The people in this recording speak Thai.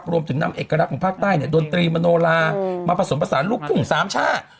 รวมถึงนำเอกลักษณ์ของภาคใต้ดนตรีมโนลามาผสมผสานลูกทุ่งสามช่า